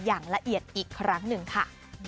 อย่างละเอียดอีกครั้งหนึ่งค่ะ